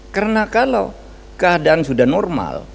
karena kalau keadaan sudah normal